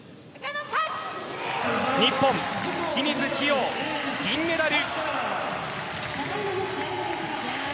日本、清水希容、銀メダル。